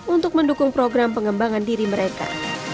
untuk mendukung program pengembangan diri mereka